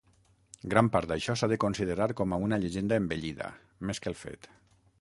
Gran part d'això s'ha de considerar com a una llegenda embellida més que el fet.